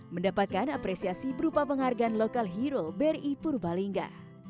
mendapatkan apresiasi berupa penghargaan lokal hero bri purbalingga